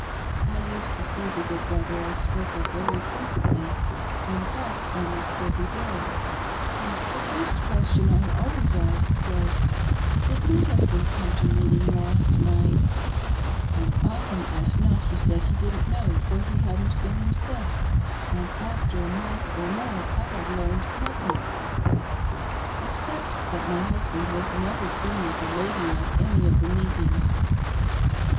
I used to see the good brother I spoke of very frequently — in fact, almost every day — and the first question I always asked was — Did my husband; come to meeting last night } As often as not he said he didn't know for he hadn't been himself, and after a month or more I had learned nothing, except that my husband was never seen with a lady at any of the meetings.